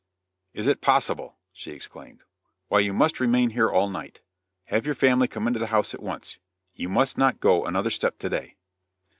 "Is it possible!" she exclaimed; "Why, you must remain here all night. Have your family come into the house at once. You must not go another step today."